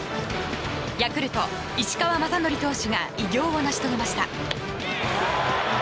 ヤクルト石川雅規投手が偉業を成し遂げました。